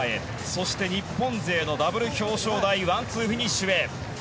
そして日本勢のダブル表彰台ワンツーフィニッシュへ。